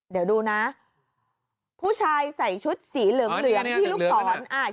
เดี๋ยวดูนะผู้ชายใส่ชุดสีเหลืองเหลืองที่ลูกศร